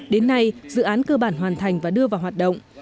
đến nay dự án cơ bản hoàn thành và đưa vào hoạt động